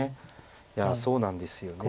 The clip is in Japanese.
いやそうなんですよね。